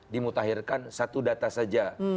dimutahirkan satu data saja